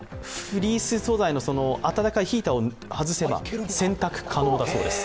フリース素材のあたたかいヒーターを外せば洗濯可能だそうです。